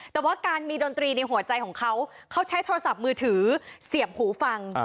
แต่ว่าการมีดนตรีในหัวใจของเขาเขาใช้โทรศัพท์มือถือเสียบหูฟัง